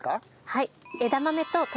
はい。